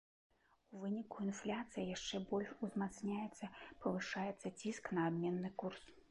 У выніку інфляцыя яшчэ больш узмацняецца, павышаецца ціск на абменны курс.